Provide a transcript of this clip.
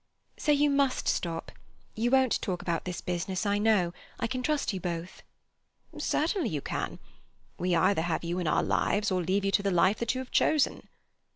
"So you must stop. You won't talk about this business, I know. I can trust you both." "Certainly you can. We either have you in our lives, or leave you to the life that you have chosen."